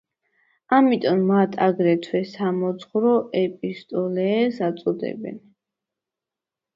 ამიტომ მათ აგრეთვე, „სამოძღვრო ეპისტოლეებს“ უწოდებენ.